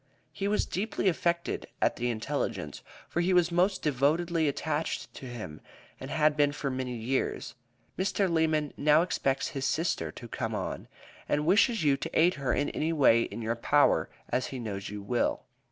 He was deeply affected at the intelligence, for he was most devotedly attached to him and had been for many years. Mr. Lemmon now expects his sister to come on, and wishes you to aid her in any way in your power as he knows you will.